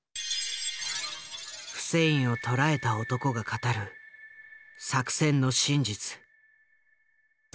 フセインを捕らえた男が語る作戦の真実。